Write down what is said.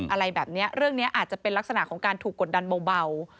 อะไรแบบนี้เรื่องนี้อาจจะเป็นลักษณะของการถูกกดดันเบา